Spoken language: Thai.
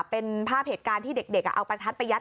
เป็นภาพเหตุการณ์ที่เด็กเอาประทัดไปยัด